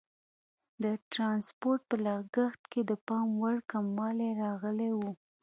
د ټرانسپورټ په لګښت کې د پام وړ کموالی راغلی وو.